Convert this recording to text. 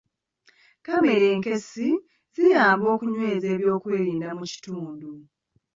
Kamera enkessi ziyamba okunyweza eby'okwerinda mu kitundu.